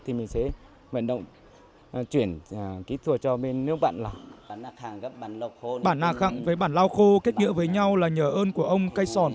thì mình sẽ vận động chuyển kỹ thuật cho bên nước bạn lào